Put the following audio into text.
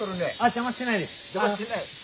邪魔してない？